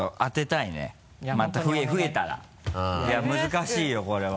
いや難しいよこれは。